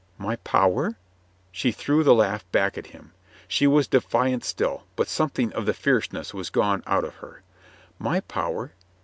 "My power?" She threw the laugh back at him. She was defiant still, but something of the fierceness was gone out of her. "My power?